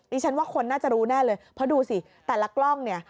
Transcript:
ฉันว่าคนน่าจะรู้แน่เลยเพราะดูสิแต่ละกล้องเนี่ย